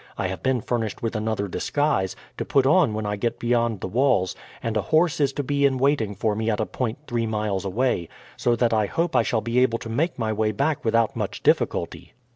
I have been furnished with another disguise, to put on when I get beyond the walls; and a horse is to be in waiting for me at a point three miles away; so that I hope I shall be able to make my way back without much difficulty."